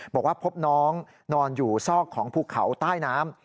บอกว่าพบน้องนอนอยู่ซอกของภูเขาใต้น้ำ